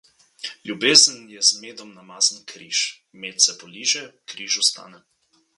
Ljubezen je z medom namazan križ; med se poliže, križ ostane.